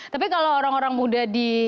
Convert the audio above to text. tapi kalau orang orang muda di